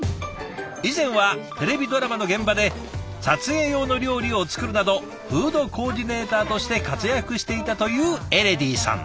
以前はテレビドラマの現場で撮影用の料理を作るなどフードコーディネーターとして活躍していたというエレディさん。